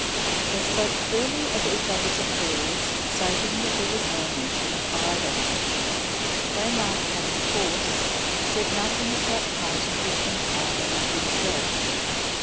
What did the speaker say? They spoke freely of each other's affairs, saving that there was no mention of Ida. Waymark had of course said nothing of that parting between Ida and himself.